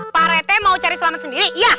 pak rt mau cari selamat sendiri iya